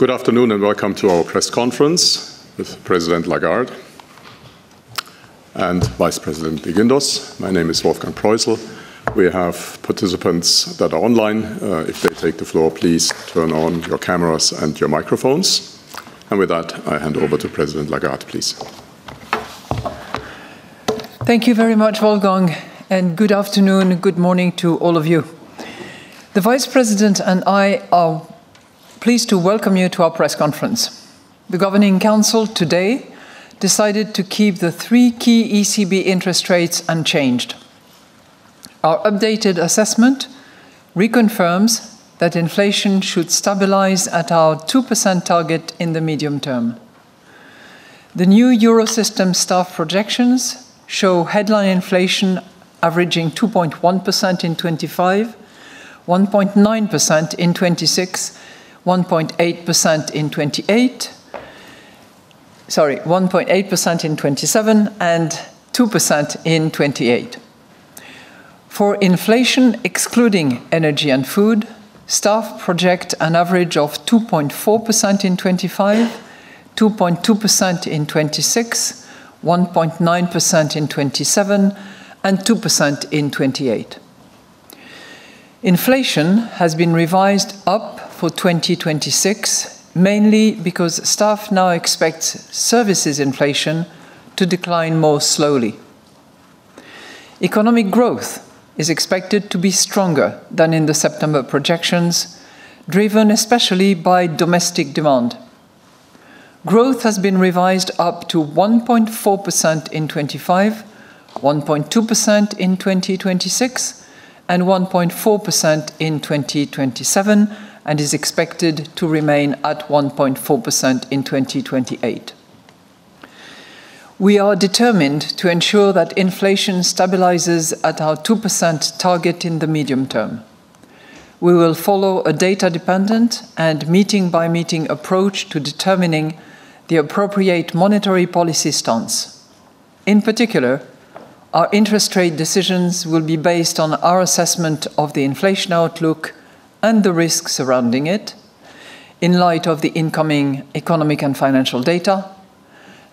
Good afternoon and welcome to our press conference with President Lagarde and Vice President de Guindos. My name is Wolfgang Proissl. We have participants that are online. If they take the floor, please turn on your cameras and your microphones. And with that, I hand over to President Lagarde, please. Thank you very much, Wolfgang, and good afternoon, good morning to all of you. The Vice President and I are pleased to welcome you to our press conference. The Governing Council today decided to keep the three key ECB interest rates unchanged. Our updated assessment reconfirms that inflation should stabilize at our 2% target in the medium term. The new Eurosystem staff projections show headline inflation averaging 2.1% in 2025, 1.9% in 2026, 1.8% in 2028, sorry, 1.8% in 2027, and 2% in 2028. For inflation excluding energy and food, staff project an average of 2.4% in 2025, 2.2% in 2026, 1.9% in 2027, and 2% in 2028. Inflation has been revised up for 2026 mainly because staff now expects services inflation to decline more slowly. Economic growth is expected to be stronger than in the September projections, driven especially by domestic demand. Growth has been revised up to 1.4% in 2025, 1.2% in 2026, and 1.4% in 2027, and is expected to remain at 1.4% in 2028. We are determined to ensure that inflation stabilizes at our 2% target in the medium term. We will follow a data-dependent and meeting-by-meeting approach to determining the appropriate monetary policy stance. In particular, our interest rate decisions will be based on our assessment of the inflation outlook and the risks surrounding it in light of the incoming economic and financial data,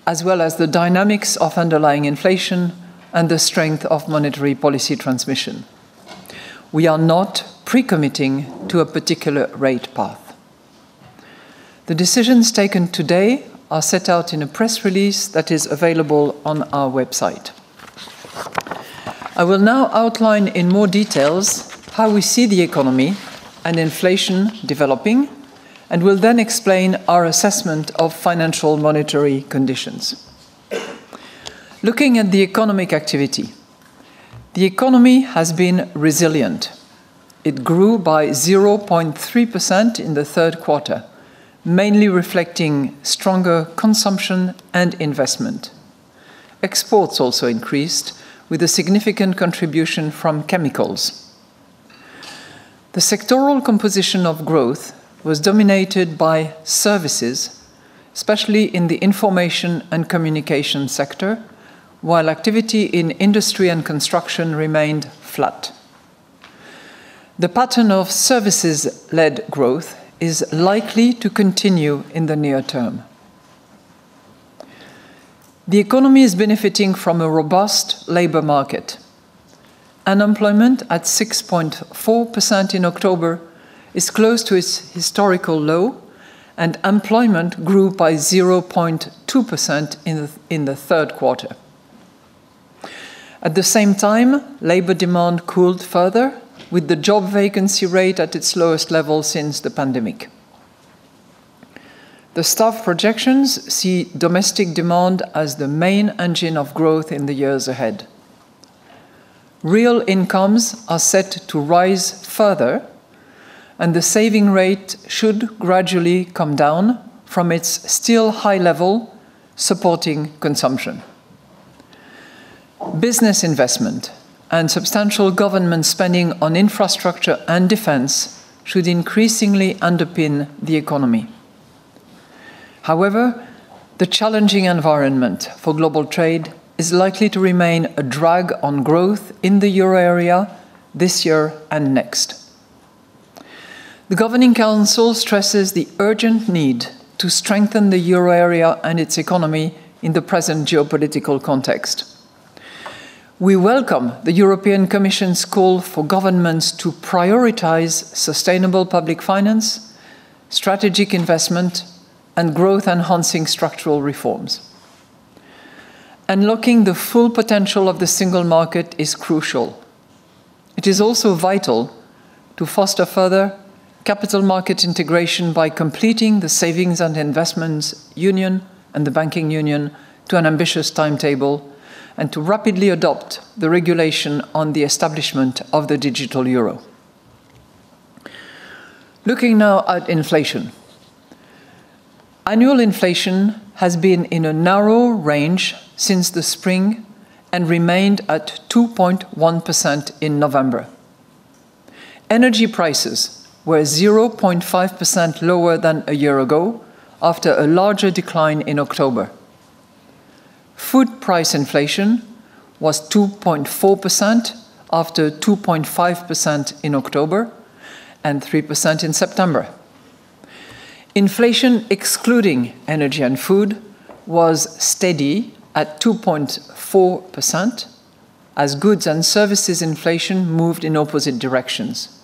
as well as the dynamics of underlying inflation and the strength of monetary policy transmission. We are not pre-committing to a particular rate path. The decisions taken today are set out in a press release that is available on our website. I will now outline in more details how we see the economy and inflation developing, and will then explain our assessment of financial monetary conditions. Looking at the economic activity, the economy has been resilient. It grew by 0.3% in the third quarter, mainly reflecting stronger consumption and investment. Exports also increased, with a significant contribution from chemicals. The sectoral composition of growth was dominated by services, especially in the information and communication sector, while activity in industry and construction remained flat. The pattern of services-led growth is likely to continue in the near term. The economy is benefiting from a robust labor market. Unemployment at 6.4% in October is close to its historical low, and employment grew by 0.2% in the third quarter. At the same time, labor demand cooled further, with the job vacancy rate at its lowest level since the pandemic. The staff projections see domestic demand as the main engine of growth in the years ahead. Real incomes are set to rise further, and the saving rate should gradually come down from its still high level, supporting consumption. Business investment and substantial government spending on infrastructure and defense should increasingly underpin the economy. However, the challenging environment for global trade is likely to remain a drag on growth in the euro area this year and next. The Governing Council stresses the urgent need to strengthen the euro area and its economy in the present geopolitical context. We welcome the European Commission's call for governments to prioritize sustainable public finance, strategic investment, and growth-enhancing structural reforms. Unlocking the full potential of the single market is crucial. It is also vital to foster further capital market integration by completing the Savings and Investments Union and the Banking Union to an ambitious timetable and to rapidly adopt the regulation on the establishment of the digital euro. Looking now at inflation. Annual inflation has been in a narrow range since the spring and remained at 2.1% in November. Energy prices were 0.5% lower than a year ago after a larger decline in October. Food price inflation was 2.4% after 2.5% in October and 3% in September. Inflation excluding energy and food was steady at 2.4%, as goods and services inflation moved in opposite directions.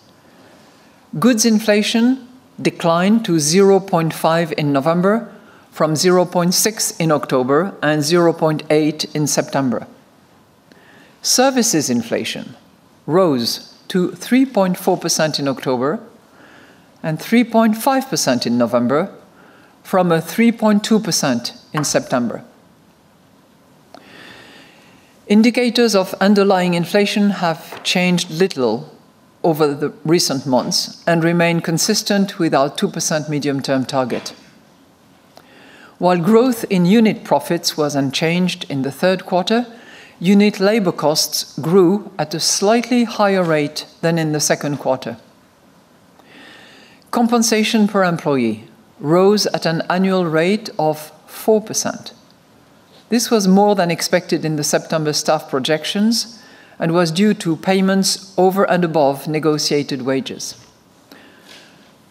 Goods inflation declined to 0.5% in November from 0.6% in October and 0.8% in September. Services inflation rose to 3.4% in October and 3.5% in November from 3.2% in September. Indicators of underlying inflation have changed little over the recent months and remain consistent with our 2% medium-term target. While growth in unit profits was unchanged in the third quarter, unit labor costs grew at a slightly higher rate than in the second quarter. Compensation per employee rose at an annual rate of 4%. This was more than expected in the September staff projections and was due to payments over and above negotiated wages.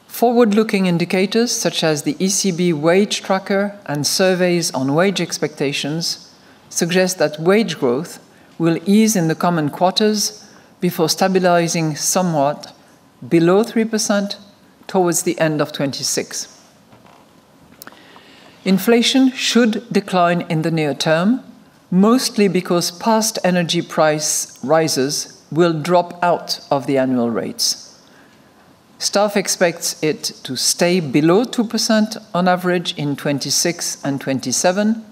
Forward-looking indicators such as the ECB Wage Tracker and surveys on wage expectations suggest that wage growth will ease in the coming quarters before stabilizing somewhat below 3% towards the end of 2026. Inflation should decline in the near term, mostly because past energy price rises will drop out of the annual rates. Staff expects it to stay below 2% on average in 2026 and 2027,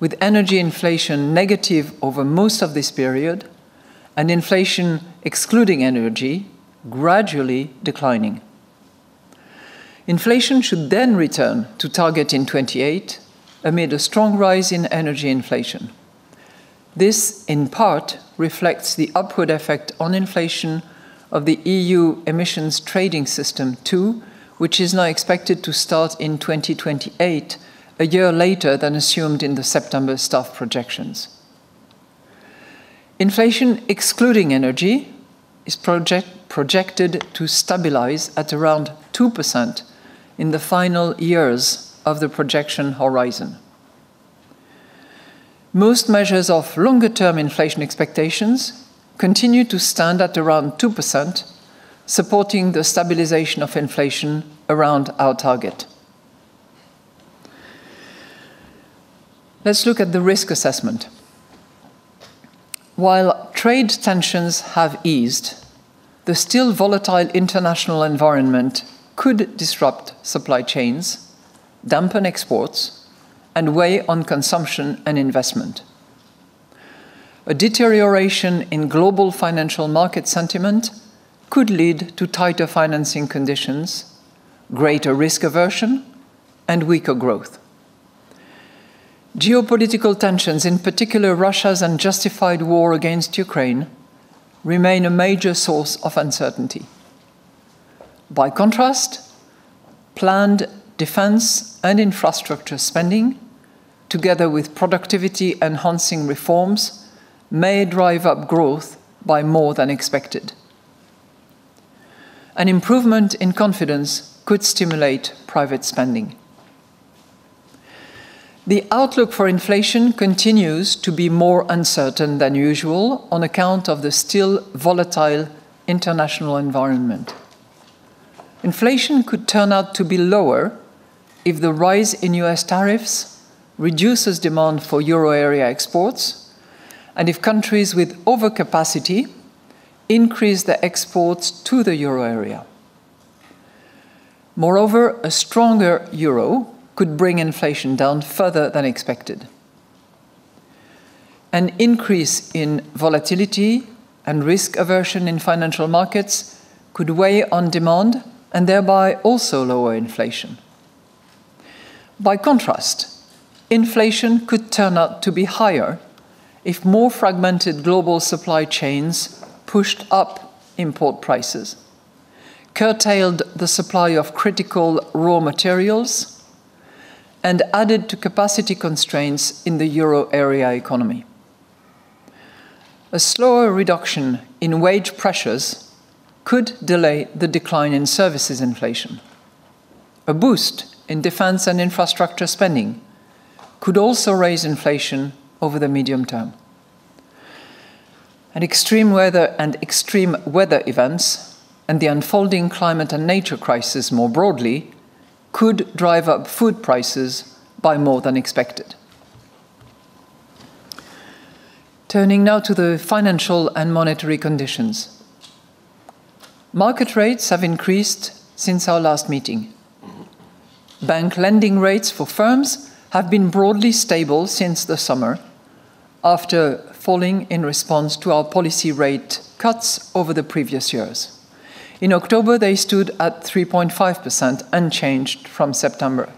with energy inflation negative over most of this period and inflation excluding energy gradually declining. Inflation should then return to target in 2028 amid a strong rise in energy inflation. This, in part, reflects the upward effect on inflation of the EU Emissions Trading System too, which is now expected to start in 2028, a year later than assumed in the September Staff projections. Inflation excluding energy is projected to stabilize at around 2% in the final years of the projection horizon. Most measures of longer-term inflation expectations continue to stand at around 2%, supporting the stabilization of inflation around our target. Let's look at the risk assessment. While trade tensions have eased, the still volatile international environment could disrupt supply chains, dampen exports, and weigh on consumption and investment. A deterioration in global financial market sentiment could lead to tighter financing conditions, greater risk aversion, and weaker growth. Geopolitical tensions, in particular Russia's unjustified war against Ukraine, remain a major source of uncertainty. By contrast, planned defense and infrastructure spending, together with productivity-enhancing reforms, may drive up growth by more than expected. An improvement in confidence could stimulate private spending. The outlook for inflation continues to be more uncertain than usual on account of the still volatile international environment. Inflation could turn out to be lower if the rise in U.S. tariffs reduces demand for euro area exports and if countries with overcapacity increase their exports to the euro area. Moreover, a stronger euro could bring inflation down further than expected. An increase in volatility and risk aversion in financial markets could weigh on demand and thereby also lower inflation. By contrast, inflation could turn out to be higher if more fragmented global supply chains pushed up import prices, curtailed the supply of critical raw materials, and added to capacity constraints in the euro area economy. A slower reduction in wage pressures could delay the decline in services inflation. A boost in defense and infrastructure spending could also raise inflation over the medium term. And extreme weather and extreme weather events and the unfolding climate and nature crisis more broadly could drive up food prices by more than expected. Turning now to the financial and monetary conditions. Market rates have increased since our last meeting. Bank lending rates for firms have been broadly stable since the summer after falling in response to our policy rate cuts over the previous years. In October, they stood at 3.5%, unchanged from September.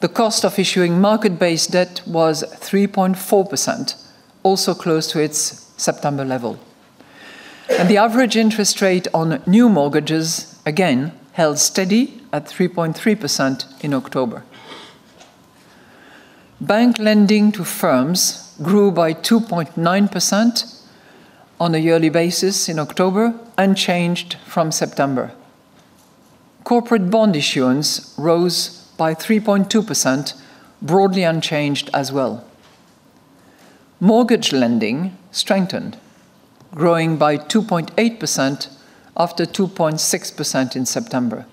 The cost of issuing market-based debt was 3.4%, also close to its September level. And the average interest rate on new mortgages again held steady at 3.3% in October. Bank lending to firms grew by 2.9% on a yearly basis in October, unchanged from September. Corporate bond issuance rose by 3.2%, broadly unchanged as well. Mortgage lending strengthened, growing by 2.8% after 2.6% in September.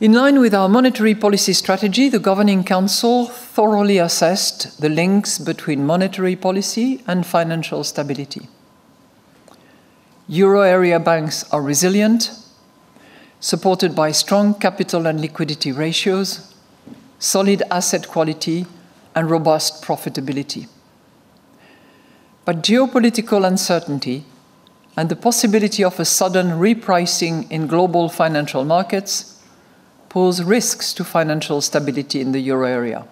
In line with our monetary policy strategy, the Governing Council thoroughly assessed the links between monetary policy and financial stability. Euro area banks are resilient, supported by strong capital and liquidity ratios, solid asset quality, and robust profitability. But geopolitical uncertainty and the possibility of a sudden repricing in global financial markets pose risks to financial stability in the euro area.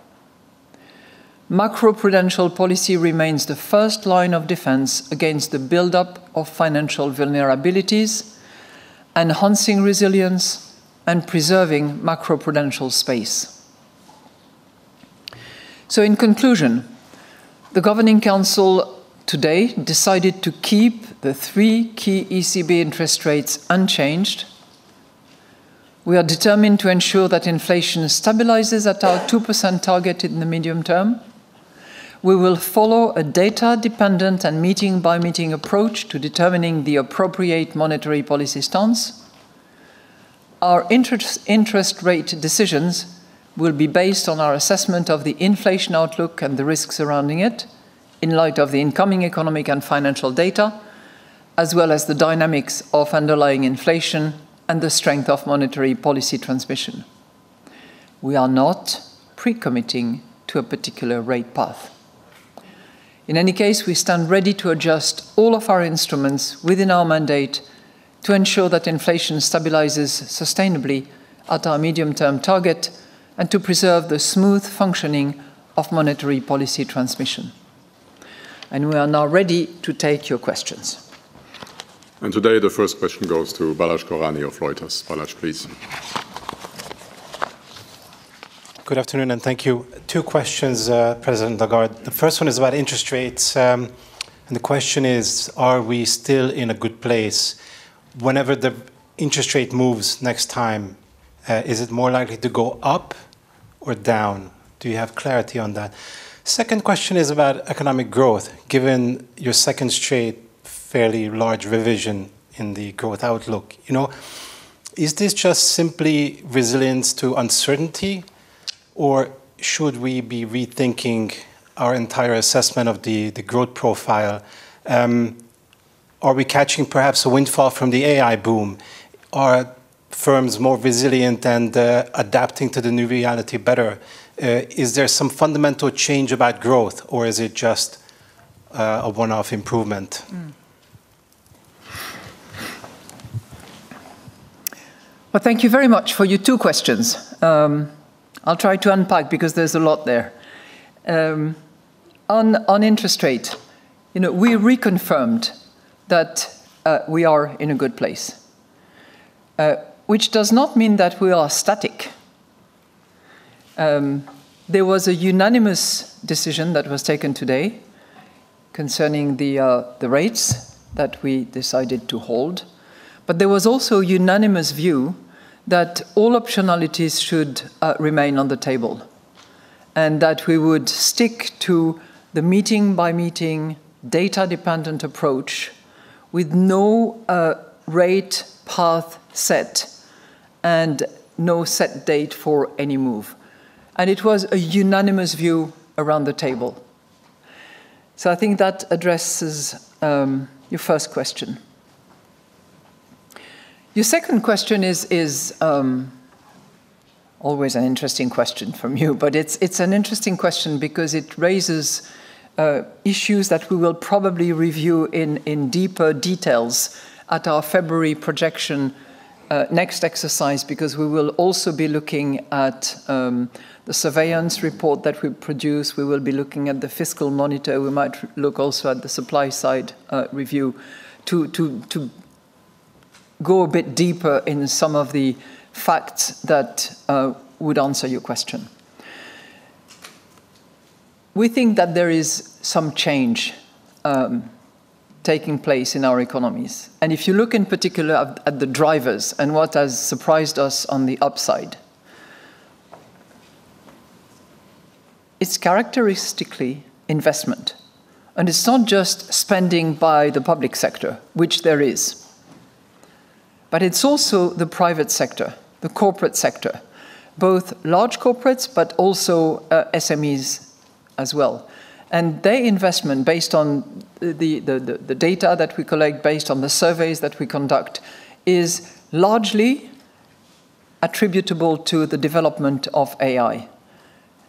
Macroprudential policy remains the first line of defense against the buildup of financial vulnerabilities, enhancing resilience and preserving macroprudential space. So, in conclusion, the Governing Council today decided to keep the three key ECB interest rates unchanged. We are determined to ensure that inflation stabilizes at our 2% target in the medium term. We will follow a data-dependent and meeting-by-meeting approach to determining the appropriate monetary policy stance. Our interest rate decisions will be based on our assessment of the inflation outlook and the risks surrounding it in light of the incoming economic and financial data, as well as the dynamics of underlying inflation and the strength of monetary policy transmission. We are not pre-committing to a particular rate path. In any case, we stand ready to adjust all of our instruments within our mandate to ensure that inflation stabilizes sustainably at our medium-term target and to preserve the smooth functioning of monetary policy transmission. And we are now ready to take your questions. Today, the first question goes to Balazs Koranyi of Reuters. Balazs, please. Good afternoon and thank you. Two questions, President Lagarde. The first one is about interest rates. The question is, are we still in a good place? Whenever the interest rate moves next time, is it more likely to go up or down? Do you have clarity on that? Second question is about economic growth, given your second straight fairly large revision in the growth outlook. You know, is this just simply resilience to uncertainty, or should we be rethinking our entire assessment of the growth profile? Are we catching perhaps a windfall from the AI boom? Are firms more resilient and adapting to the new reality better? Is there some fundamental change about growth, or is it just a one-off improvement? Thank you very much for your two questions. I'll try to unpack because there's a lot there. On interest rate, you know, we reconfirmed that we are in a good place, which does not mean that we are static. There was a unanimous decision that was taken today concerning the rates that we decided to hold. But there was also a unanimous view that all optionalities should remain on the table and that we would stick to the meeting-by-meeting data-dependent approach with no rate path set and no set date for any move. And it was a unanimous view around the table. So I think that addresses your first question. Your second question is always an interesting question from you, but it's an interesting question because it raises issues that we will probably review in deeper details at our February projection next exercise because we will also be looking at the surveillance report that we produce. We will be looking at the fiscal monitor. We might look also at the supply side review to go a bit deeper in some of the facts that would answer your question. We think that there is some change taking place in our economies, and if you look in particular at the drivers and what has surprised us on the upside, it's characteristically investment, and it's not just spending by the public sector, which there is, but it's also the private sector, the corporate sector, both large corporates, but also SMEs as well, and their investment, based on the data that we collect, based on the surveys that we conduct, is largely attributable to the development of AI,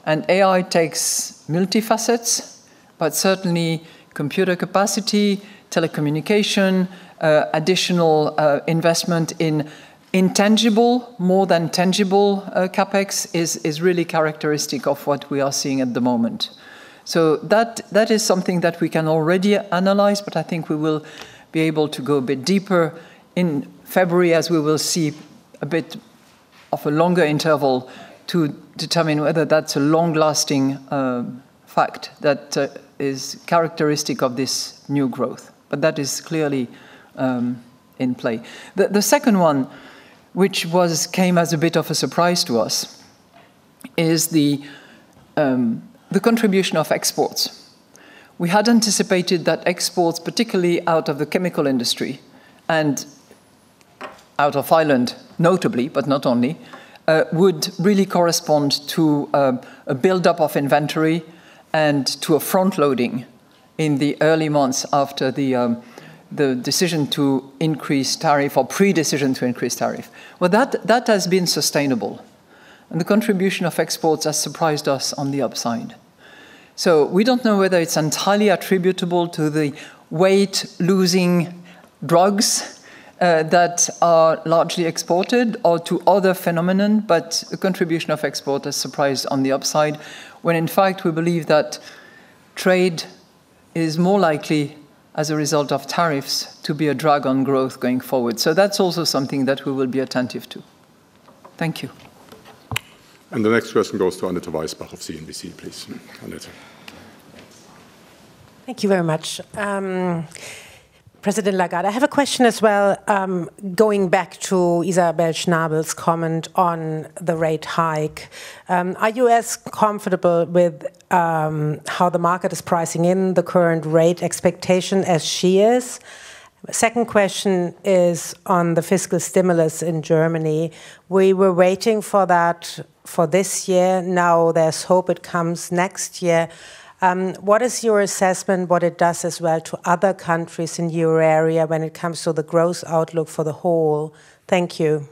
and AI takes many facets, but certainly computer capacity, telecommunication, additional investment in intangible, more than tangible CapEx is really characteristic of what we are seeing at the moment. That is something that we can already analyze, but I think we will be able to go a bit deeper in February as we will see a bit of a longer interval to determine whether that's a long-lasting fact that is characteristic of this new growth. That is clearly in play. The second one, which came as a bit of a surprise to us, is the contribution of exports. We had anticipated that exports, particularly out of the chemical industry and out of Ireland, notably, but not only, would really correspond to a buildup of inventory and to a front loading in the early months after the decision to increase tariff or pre-decision to increase tariff. That has been sustainable. The contribution of exports has surprised us on the upside. So we don't know whether it's entirely attributable to the weight-loss drugs that are largely exported or to other phenomena, but the contribution of export has surprised on the upside when, in fact, we believe that trade is more likely, as a result of tariffs, to be a drag on growth going forward. So that's also something that we will be attentive to. Thank you. And the next question goes to Annette Weisbach, CNBC, please. Thank you very much, President Lagarde. I have a question as well. Going back to Isabel Schnabel's comment on the rate hike, are you as comfortable with how the market is pricing in the current rate expectation as she is? Second question is on the fiscal stimulus in Germany. We were waiting for that for this year. Now there's hope it comes next year. What is your assessment, what it does as well to other countries in your area when it comes to the growth outlook for the whole? Thank you.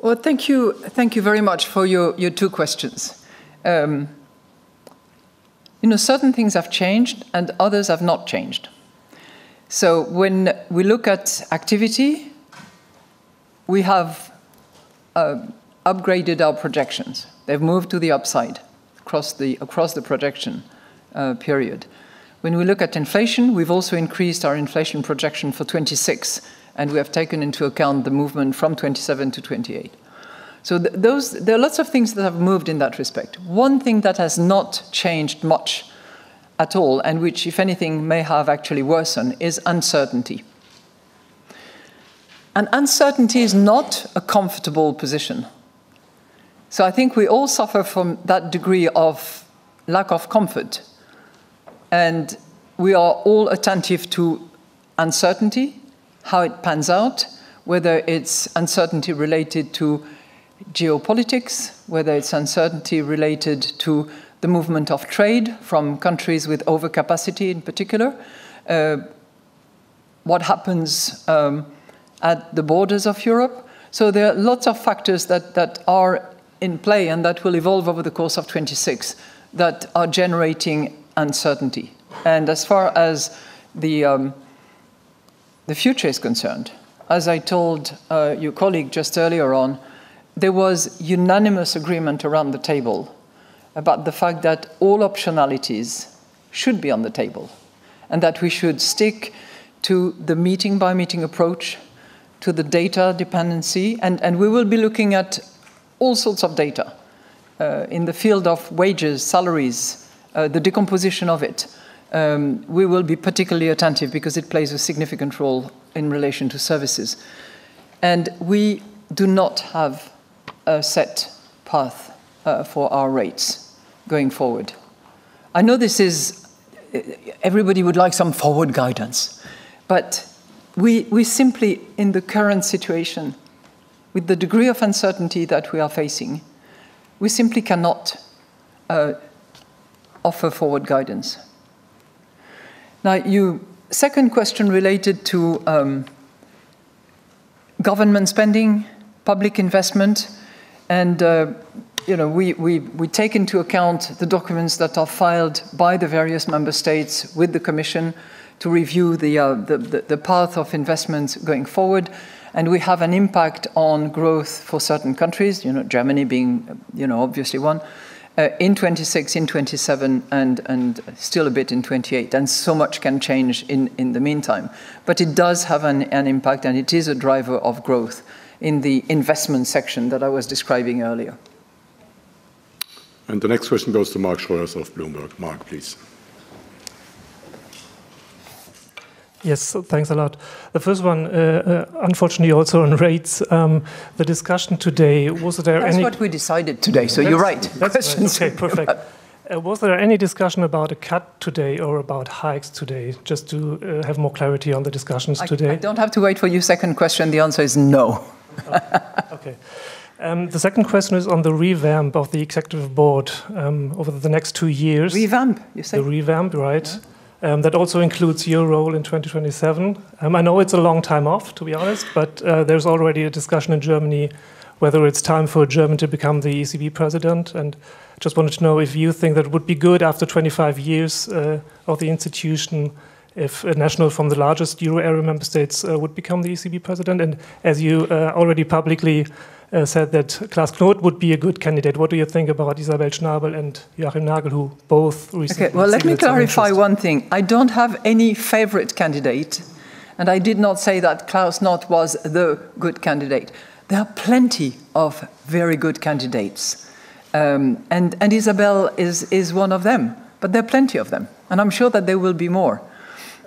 Well, thank you very much for your two questions. You know, certain things have changed and others have not changed. So when we look at activity, we have upgraded our projections. They've moved to the upside across the projection period. When we look at inflation, we've also increased our inflation projection for 2026, and we have taken into account the movement from 2027 to 2028. So there are lots of things that have moved in that respect. One thing that has not changed much at all and which, if anything, may have actually worsened is uncertainty. And uncertainty is not a comfortable position. So I think we all suffer from that degree of lack of comfort. We are all attentive to uncertainty, how it pans out, whether it's uncertainty related to geopolitics, whether it's uncertainty related to the movement of trade from countries with overcapacity in particular, what happens at the borders of Europe. There are lots of factors that are in play and that will evolve over the course of 2026 that are generating uncertainty. As far as the future is concerned, as I told your colleague just earlier on, there was unanimous agreement around the table about the fact that all optionalities should be on the table and that we should stick to the meeting-by-meeting approach to the data dependency. We will be looking at all sorts of data in the field of wages, salaries, the decomposition of it. We will be particularly attentive because it plays a significant role in relation to services. And we do not have a set path for our rates going forward. I know this is everybody would like some forward guidance, but we simply, in the current situation, with the degree of uncertainty that we are facing, we simply cannot offer forward guidance. Now, your second question related to government spending, public investment, and we take into account the documents that are filed by the various member states with the Commission to review the path of investments going forward. And we have an impact on growth for certain countries, you know, Germany being obviously one in 2026, in 2027, and still a bit in 2028. And so much can change in the meantime. But it does have an impact, and it is a driver of growth in the investment section that I was describing earlier. And the next question goes to Mark Schroers of Bloomberg. Mark, please. Yes, thanks a lot. The first one, unfortunately, also on rates. The discussion today, was there any. That's what we decided today. So you're right. The question's okay. Perfect. Was there any discussion about a cut today or about hikes today? Just to have more clarity on the discussions today. I don't have to wait for your second question. The answer is no. Okay. The second question is on the revamp of the Executive Board over the next two years. Revamp, you say? The revamp, right? That also includes your role in 2027. I know it's a long time off, to be honest, but there's already a discussion in Germany whether it's time for a German to become the ECB President. I just wanted to know if you think that it would be good after 25 years of the institution if a national from the largest euro area member states would become the ECB president. As you already publicly said, that Klaas Knot would be a good candidate. What do you think about Isabel Schnabel and Joachim Nagel, who both received. Okay, well, let me clarify one thing. I don't have any favorite candidate, and I did not say that Klaas Knot was the good candidate. There are plenty of very good candidates, and Isabel is one of them, but there are plenty of them. I'm sure that there will be more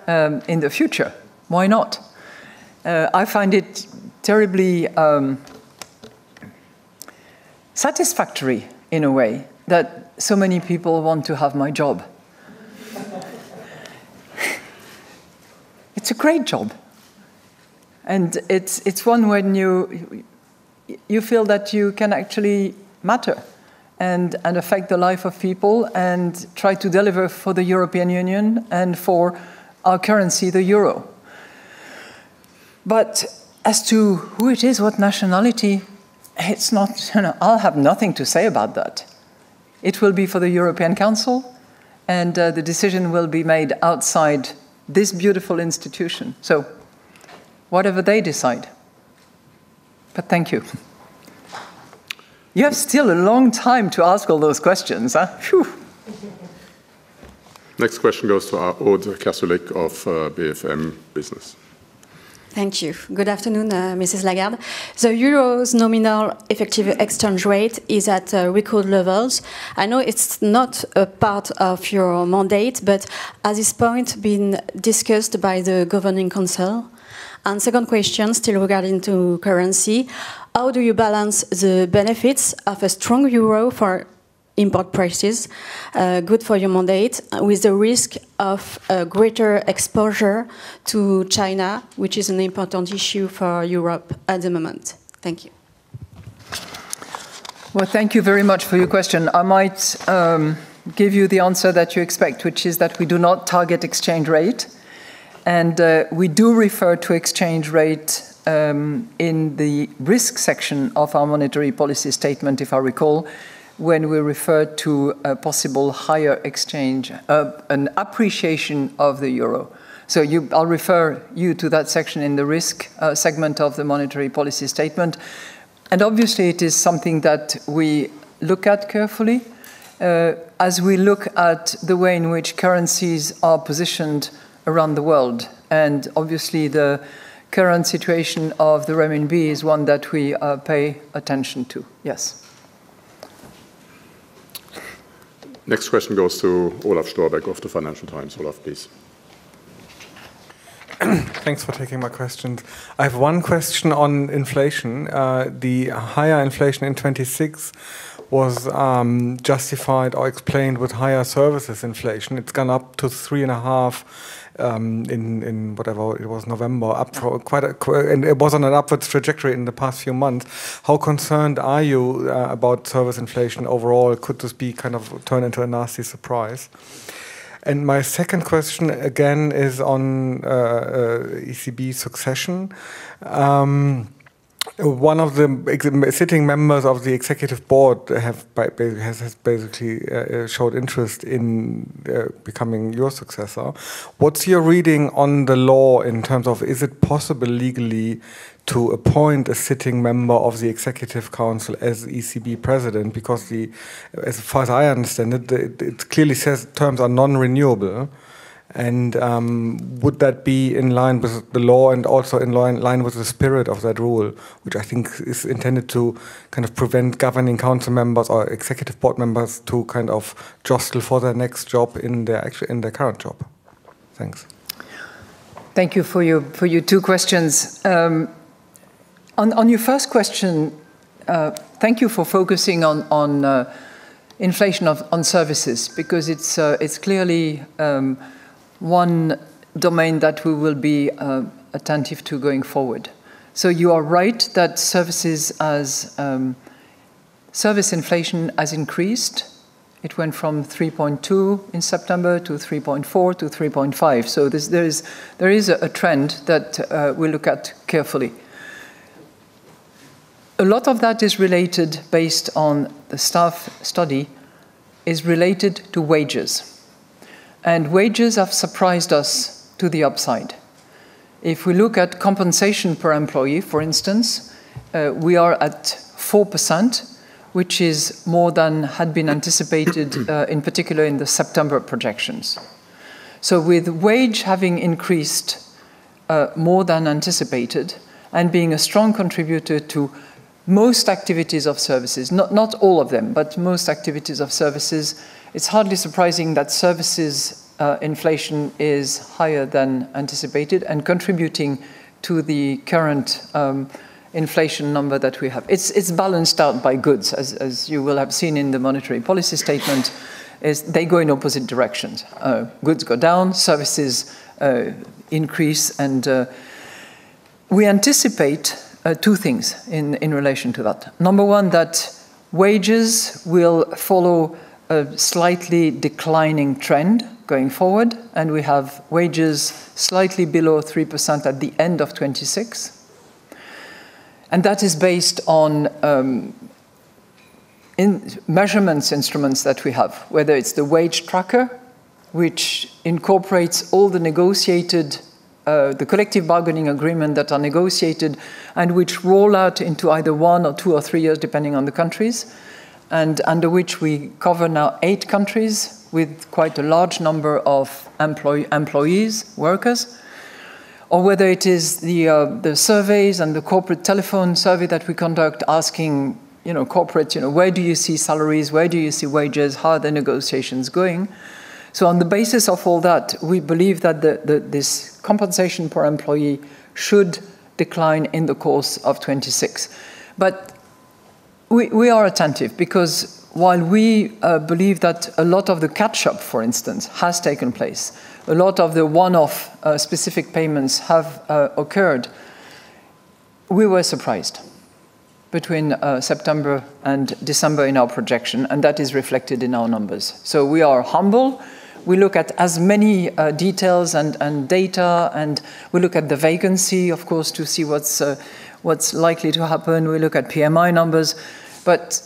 in the future. Why not? I find it terribly satisfactory in a way that so many people want to have my job. It's a great job. And it's one when you feel that you can actually matter and affect the life of people and try to deliver for the European Union and for our currency, the euro. But as to who it is, what nationality, it's not. I'll have nothing to say about that. It will be for the European Council, and the decision will be made outside this beautiful institution. So whatever they decide. But thank you. You have still a long time to ask all those questions. Next question goes to Ole Gulsvik of BFM Business. Thank you. Good afternoon, Mrs. Lagarde. The euro's nominal effective exchange rate is at record levels. I know it's not a part of your mandate, but at this point, it's been discussed by the Governing Council. Second question, still regarding currency, how do you balance the benefits of a strong euro for import prices, good for your mandate, with the risk of greater exposure to China, which is an important issue for Europe at the moment? Thank you. Thank you very much for your question. I might give you the answer that you expect, which is that we do not target exchange rate. We do refer to exchange rate in the risk section of our monetary policy statement, if I recall, when we refer to a possible higher exchange, an appreciation of the euro. I'll refer you to that section in the risk segment of the monetary policy statement. Obviously, it is something that we look at carefully as we look at the way in which currencies are positioned around the world. Obviously, the current situation of the renminbi is one that we pay attention to. Yes. Next question goes to Ole Gulsvik from the Financial Times. Ole, please. Thanks for taking my question. I have one question on inflation. The higher inflation in 2026 was justified or explained with higher services inflation. It's gone up to 3.5% in whatever it was, November, up for quite a—and it was on an upward trajectory in the past few months. How concerned are you about service inflation overall? Could this be kind of turn into a nasty surprise? And my second question again is on ECB succession. One of the sitting members of the Executive Board has basically showed interest in becoming your successor. What's your reading on the law in terms of is it possible legally to appoint a sitting member of the Governing Council as ECB president? Because as far as I understand it, it clearly says terms are non-renewable. And would that be in line with the law and also in line with the spirit of that rule, which I think is intended to kind of prevent Governing Council members or Executive Board members to kind of jostle for their next job in their current job? Thanks. Thank you for your two questions. On your first question, thank you for focusing on inflation on services because it's clearly one domain that we will be attentive to going forward. So you are right that services as service inflation has increased. It went from 3.2 in September to 3.4 to 3.5. So there is a trend that we look at carefully. A lot of that is related, based on the staff study, to wages. And wages have surprised us to the upside. If we look at compensation per employee, for instance, we are at 4%, which is more than had been anticipated, in particular in the September projections. So with wage having increased more than anticipated and being a strong contributor to most activities of services, not all of them, but most activities of services, it's hardly surprising that services inflation is higher than anticipated and contributing to the current inflation number that we have. It's balanced out by goods, as you will have seen in the monetary policy statement. They go in opposite directions. Goods go down, services increase. And we anticipate two things in relation to that. Number one, that wages will follow a slightly declining trend going forward, and we have wages slightly below 3% at the end of 2026. That is based on measurements, instruments that we have, whether it's the Wage Tracker, which incorporates all the negotiated, the collective bargaining agreement that are negotiated and which roll out into either one or two or three years, depending on the countries, and under which we cover now eight countries with quite a large number of employees, workers, or whether it is the surveys and the corporate telephone survey that we conduct asking corporates, where do you see salaries, where do you see wages, how are the negotiations going? On the basis of all that, we believe that this compensation per employee should decline in the course of 2026. But we are attentive because while we believe that a lot of the catch-up, for instance, has taken place, a lot of the one-off specific payments have occurred. We were surprised between September and December in our projection, and that is reflected in our numbers. So we are humble. We look at as many details and data, and we look at the vacancy, of course, to see what's likely to happen. We look at PMI numbers, but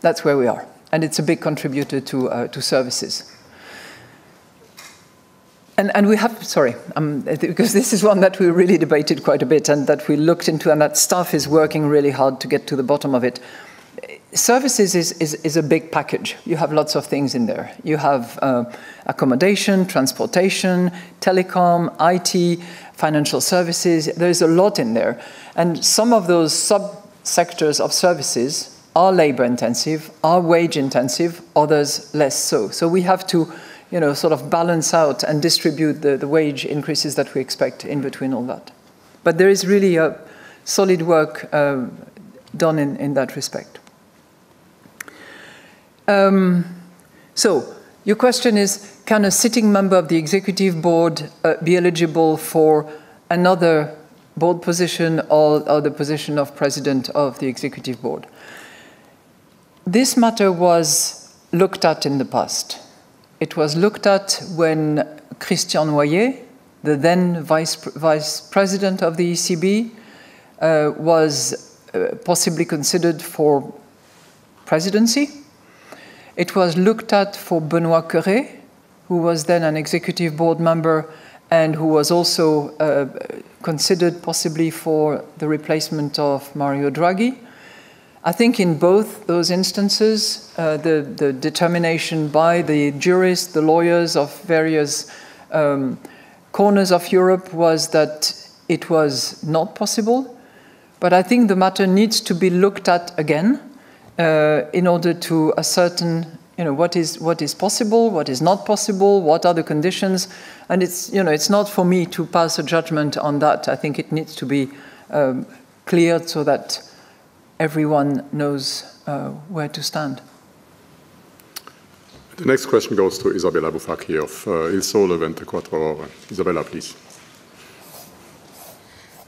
that's where we are. And it's a big contributor to services. And we have, sorry, because this is one that we really debated quite a bit and that we looked into, and that staff is working really hard to get to the bottom of it. Services is a big package. You have lots of things in there. You have accommodation, transportation, telecom, IT, financial services. There's a lot in there. Some of those sub-sectors of services are labor-intensive, are wage-intensive, others less so. We have to sort of balance out and distribute the wage increases that we expect in between all that. There is really solid work done in that respect. Your question is, can a sitting member of the Executive Board be eligible for another board position or the position of President of the Executive Board? This matter was looked at in the past. It was looked at when Christian Noyer, the then Vice President of the ECB, was possibly considered for presidency. It was looked at for Benoît Cœuré, who was then an Executive Board member and who was also considered possibly for the replacement of Mario Draghi. I think in both those instances, the determination by the jurists, the lawyers of various corners of Europe was that it was not possible. But I think the matter needs to be looked at again in order to ascertain what is possible, what is not possible, what are the conditions. And it's not for me to pass a judgment on that. I think it needs to be cleared so that everyone knows where to stand. The next question goes to Isabella Bufacchi of Il Sole 24 Ore. Isabella, please.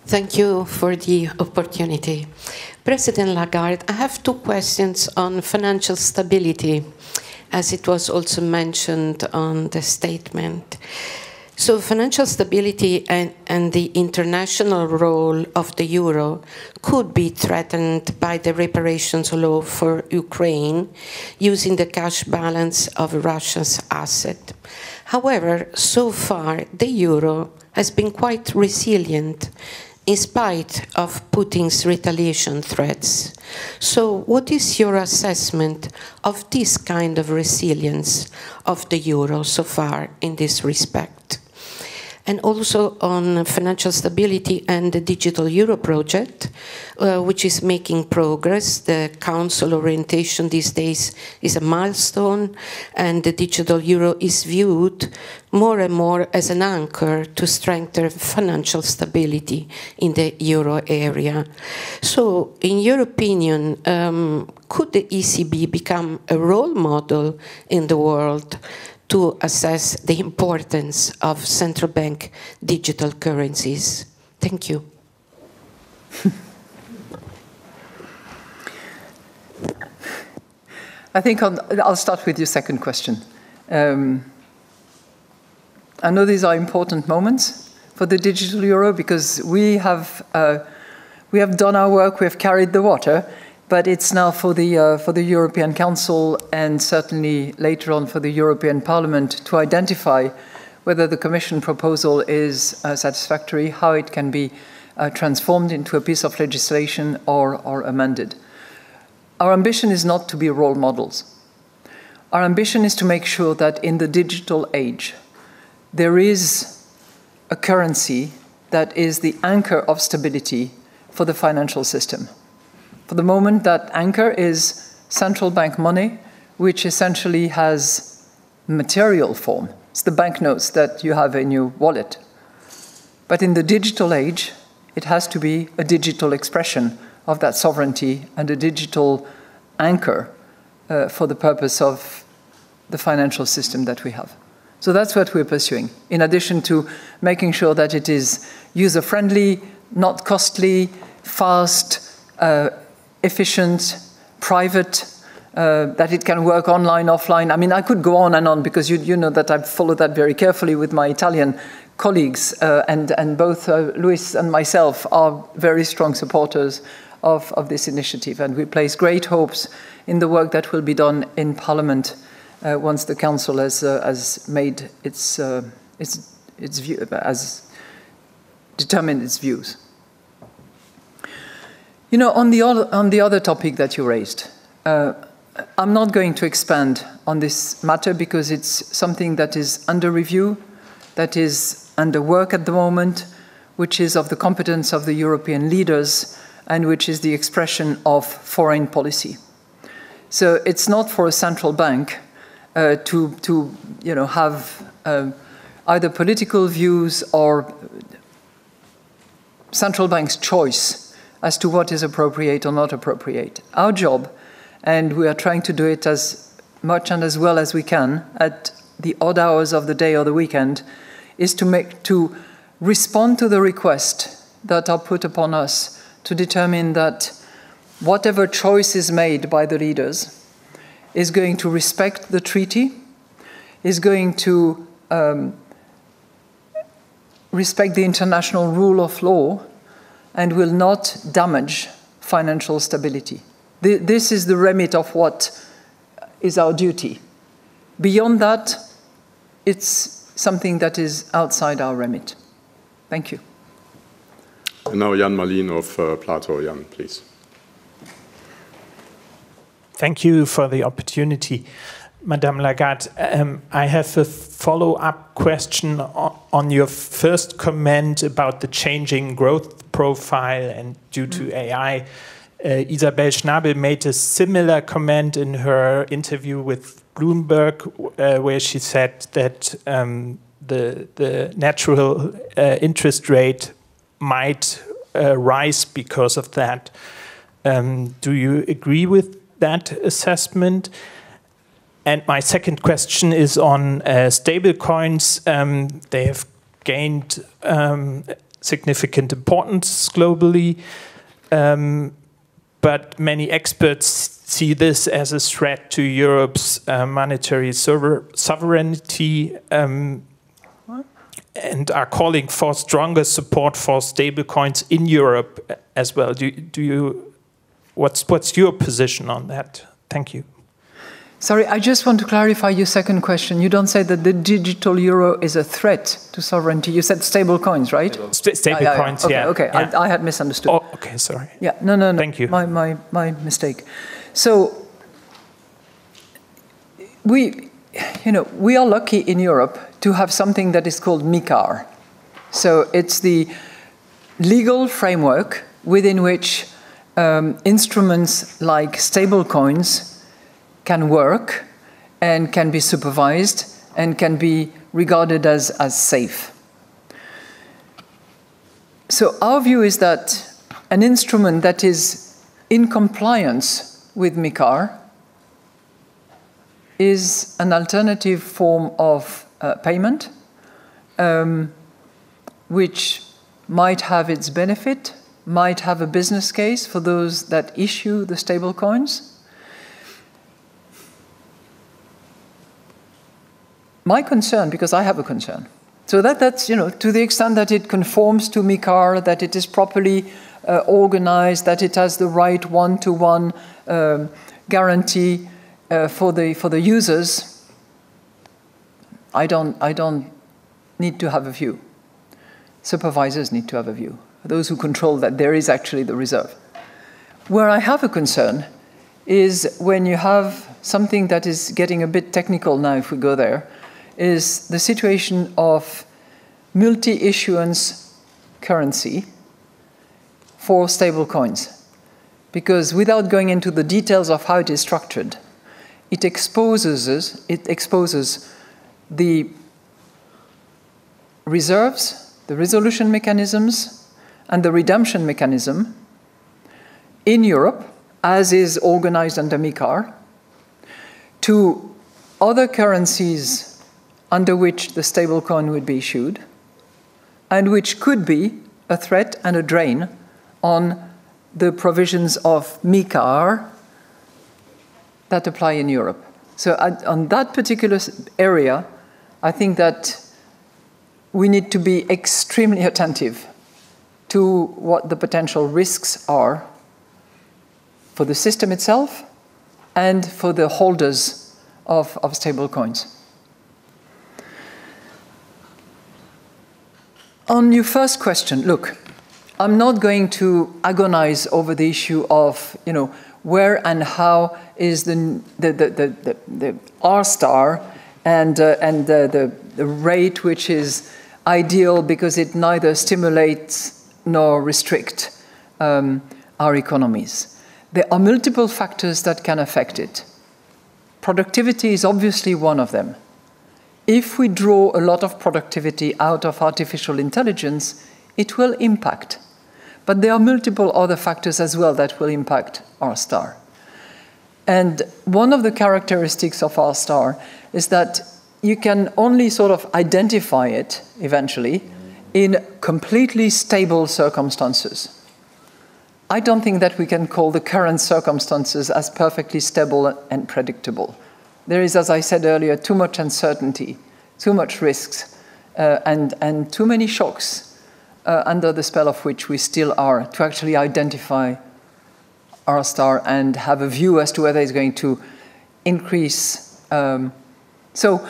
Thank you for the opportunity. President Lagarde, I have two questions on financial stability, as it was also mentioned on the statement. So financial stability and the international role of the euro could be threatened by the reparations law for Ukraine using the cash balance of Russia's assets. However, so far, the euro has been quite resilient in spite of Putin's retaliation threats. So what is your assessment of this kind of resilience of the euro so far in this respect? Also on financial stability and the digital euro project, which is making progress, the council orientation these days is a milestone, and the digital euro is viewed more and more as an anchor to strengthen financial stability in the euro area. In your opinion, could the ECB become a role model in the world to assess the importance of central bank digital currencies? Thank you. I think I'll start with your second question. I know these are important moments for the digital euro because we have done our work, we have carried the water, but it's now for the European Council and certainly later on for the European Parliament to identify whether the Commission proposal is satisfactory, how it can be transformed into a piece of legislation or amended. Our ambition is not to be role models. Our ambition is to make sure that in the digital age, there is a currency that is the anchor of stability for the financial system. For the moment, that anchor is central bank money, which essentially has material form. It's the bank notes that you have in your wallet. But in the digital age, it has to be a digital expression of that sovereignty and a digital anchor for the purpose of the financial system that we have. So that's what we're pursuing. In addition to making sure that it is user-friendly, not costly, fast, efficient, private, that it can work online, offline. I mean, I could go on and on because you know that I follow that very carefully with my Italian colleagues, and both Luis and myself are very strong supporters of this initiative. And we place great hopes in the work that will be done in Parliament once the council has determined its views. On the other topic that you raised, I'm not going to expand on this matter because it's something that is under review, that is under work at the moment, which is of the competence of the European leaders and which is the expression of foreign policy. So it's not for a central bank to have either political views or central bank's choice as to what is appropriate or not appropriate. Our job, and we are trying to do it as much and as well as we can at the odd hours of the day or the weekend, is to respond to the requests that are put upon us to determine that whatever choice is made by the leaders is going to respect the treaty, is going to respect the international rule of law, and will not damage financial stability. This is the remit of what is our duty. Beyond that, it's something that is outside our remit. Thank you. And now, Jan Mallien of PLATOW. Yann, please. Thank you for the opportunity. Madame Lagarde, I have a follow-up question on your first comment about the changing growth profile due to AI. Isabel Schnabel made a similar comment in her interview with Bloomberg, where she said that the natural interest rate might rise because of that. Do you agree with that assessment? And my second question is on stablecoins. They have gained significant importance globally, but many experts see this as a threat to Europe's monetary sovereignty and are calling for stronger support for stablecoins in Europe as well. What's your position on that? Thank you. Sorry, I just want to clarify your second question. You don't say that the digital euro is a threat to sovereignty. You said stablecoins, right? Stablecoins, yeah. Okay. I had misunderstood. Oh, okay. Sorry. Yeah. No, no, no. Thank you. My mistake. So we are lucky in Europe to have something that is called MiCA. So it's the legal framework within which instruments like stablecoins can work and can be supervised and can be regarded as safe. So, our view is that an instrument that is in compliance with MiCA is an alternative form of payment, which might have its benefit, might have a business case for those that issue the stablecoins. My concern, because I have a concern. So, to the extent that it conforms to MiCA, that it is properly organized, that it has the right one-to-one guarantee for the users, I don't need to have a view. Supervisors need to have a view. Those who control that, there is actually the reserve. Where I have a concern is when you have something that is getting a bit technical now, if we go there, is the situation of multi-issuance currency for stablecoins. Because without going into the details of how it is structured, it exposes the reserves, the resolution mechanisms, and the redemption mechanism in Europe, as is organized under MiCA, to other currencies under which the stablecoin would be issued and which could be a threat and a drain on the provisions of MiCA that apply in Europe. So on that particular area, I think that we need to be extremely attentive to what the potential risks are for the system itself and for the holders of stablecoins. On your first question, look, I'm not going to agonize over the issue of where and how is the R-star and the rate which is ideal because it neither stimulates nor restricts our economies. There are multiple factors that can affect it. Productivity is obviously one of them. If we draw a lot of productivity out of artificial intelligence, it will impact. But there are multiple other factors as well that will impact R-star. And one of the characteristics of R-star is that you can only sort of identify it eventually in completely stable circumstances. I don't think that we can call the current circumstances as perfectly stable and predictable. There is, as I said earlier, too much uncertainty, too much risks, and too many shocks under the spell of which we still are to actually identify R-star and have a view as to whether it's going to increase. So,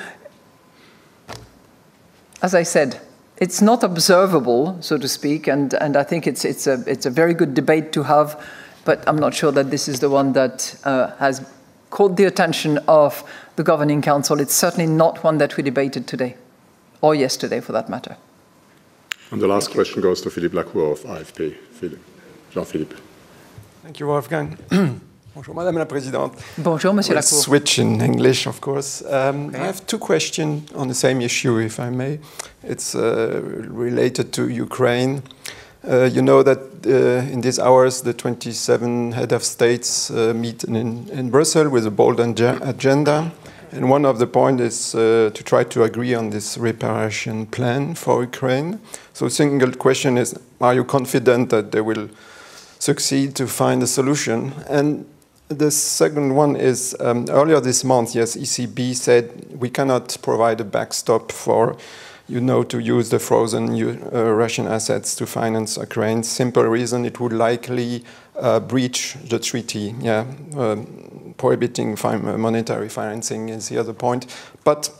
as I said, it's not observable, so to speak, and I think it's a very good debate to have, but I'm not sure that this is the one that has caught the attention of the Governing Council. It's certainly not one that we debated today, or yesterday for that matter. And the last question goes to Jean-Philippe Lacour of AFP. Philippe? Jean-Philippe. Thank you, Wolfgang. Bonjour, Madame la Présidente. Bonjour, Monsieur Lacour. Switch in English, of course. I have two questions on the same issue, if I may. It's related to Ukraine. You know that in these hours, the 27 heads of state meet in Brussels with a bold agenda. And one of the points is to try to agree on this reparation plan for Ukraine. So the single question is, are you confident that they will succeed to find a solution? And the second one is, earlier this month, yes, ECB said we cannot provide a backstop for you to use the frozen Russian assets to finance Ukraine. Simple reason, it would likely breach the treaty, yeah, prohibiting monetary financing is the other point. But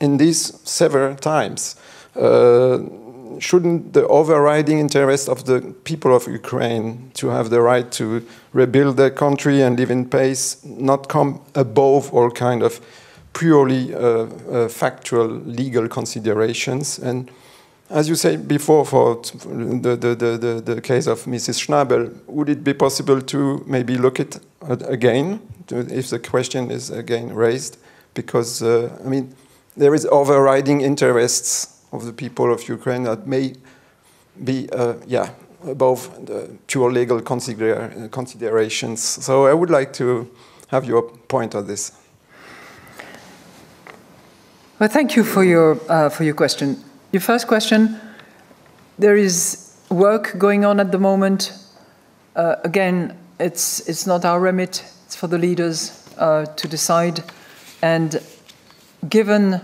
in these several times, shouldn't the overriding interest of the people of Ukraine to have the right to rebuild their country and live in peace not come above all kind of purely factual legal considerations? And as you said before for the case of Mrs. Schnabel, would it be possible to maybe look at it again if the question is again raised? Because, I mean, there are overriding interests of the people of Ukraine that may be, yeah, above the pure legal considerations. So I would like to have your point on this. Well, thank you for your question. Your first question, there is work going on at the moment. Again, it's not our remit. It's for the leaders to decide. And given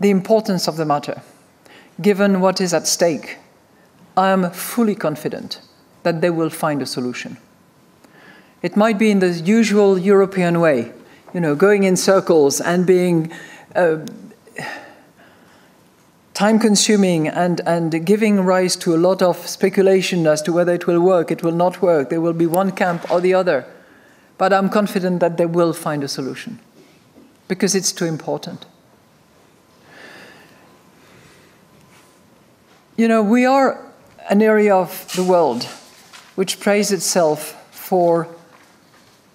the importance of the matter, given what is at stake, I am fully confident that they will find a solution. It might be in the usual European way, going in circles and being time-consuming and giving rise to a lot of speculation as to whether it will work, it will not work, there will be one camp or the other. But I'm confident that they will find a solution because it's too important. We are an area of the world which praises itself for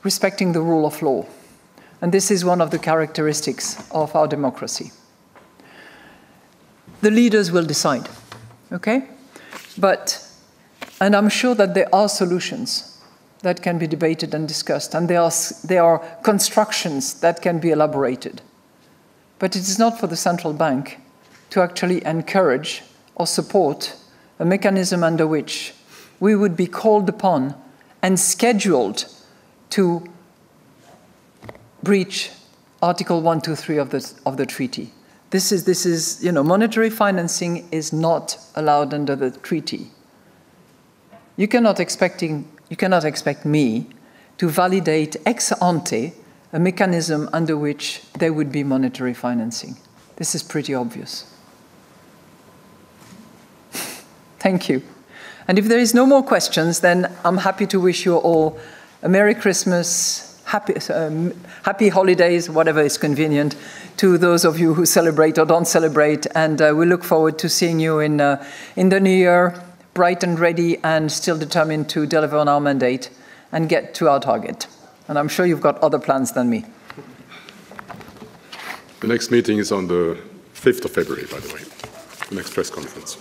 respecting the rule of law, and this is one of the characteristics of our democracy. The leaders will decide, okay, and I'm sure that there are solutions that can be debated and discussed, and there are constructions that can be elaborated, but it is not for the central bank to actually encourage or support a mechanism under which we would be called upon and scheduled to breach Article 123 of the treaty. This is monetary financing, is not allowed under the treaty. You cannot expect me to validate ex ante a mechanism under which there would be monetary financing. This is pretty obvious. Thank you. And if there are no more questions, then I'm happy to wish you all a Merry Christmas, happy holidays, whatever is convenient to those of you who celebrate or don't celebrate. And we look forward to seeing you in the new year, bright and ready and still determined to deliver on our mandate and get to our target. And I'm sure you've got other plans than me. The next meeting is on the 5th of February, by the way, the next press conference.